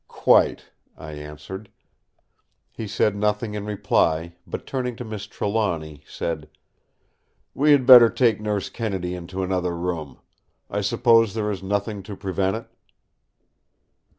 "Quite!" I answered. He said nothing in reply, but turning to Miss Trelawny said: "We had better take Nurse Kennedy into another room. I suppose there is nothing to prevent it?"